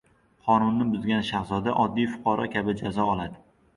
• Qonunni buzgan shahzoda oddiy fuqaro kabi jazo oladi.